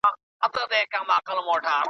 نقیب احمد قریشي کندهار